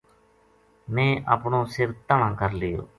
میں اپنو سِر تَنہا ں کر لیو